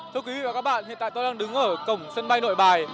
thưa quý vị và các bạn hiện tại tôi đang đứng ở cổng sân bay nội bài